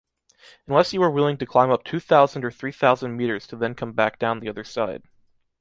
Unless you were willing to climb up two thousand or three thousand meters to then come back down the other side.